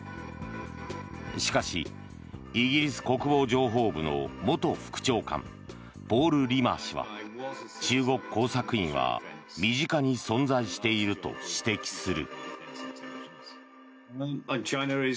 しかしイギリス国防情報部の元副長官ポール・リマー氏は中国工作員は身近に存在していると指摘する。